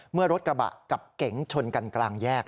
เมื่อรถกระบะกับเก๋งชนกันกลางแยก